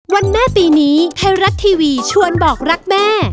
วันแม่ปีนี้ไทยรัฐทีวีชวนบอกรักแม่